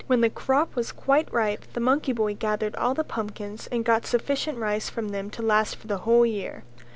When the crop was quite ripe the monkey boy gathered all the pumpkins and got sufficient rice from them to last for the whole year.